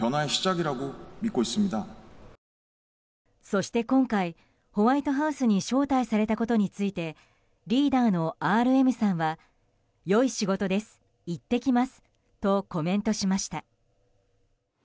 そして今回、ホワイトハウスに招待されたことについてリーダーのＲＭさんは良い仕事です、行ってきますとコメントしました。